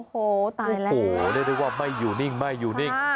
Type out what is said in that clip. โอ้โหตายแล้วโอ้โหเรียกได้ว่าไม่อยู่นิ่งไม่อยู่นิ่ง